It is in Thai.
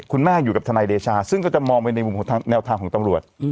คุณแม่อยู่กับทนายเดชาซึ่งก็จะมองไปในมุมของแนวทางของตำรวจ